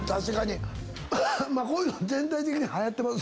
こういうの全体的にはやって。